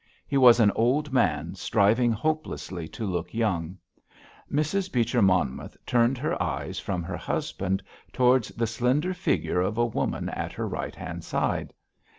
He was an old man striving hopelessly to look young. Mrs. Beecher Monmouth turned her eyes from her husband towards the slender figure of a woman at her right hand side.